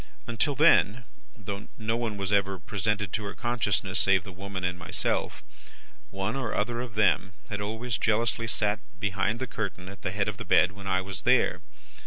Until then, though no one was ever presented to her consciousness save the woman and myself, one or other of them had always jealously sat behind the curtain at the head of the bed when I was there.